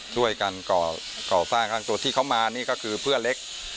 ช่วยกันก่อสร้างข้างตัวที่เขามานี่ก็คือเพื่อนเล็ก